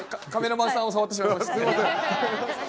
すみません。